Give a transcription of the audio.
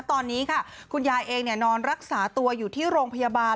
ตอนนี้ค่ะคุณยายเองนอนรักษาตัวอยู่ที่โรงพยาบาล